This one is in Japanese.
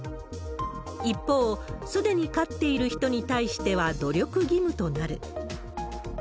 一方、すでに飼っている人に対しては努力義務となる。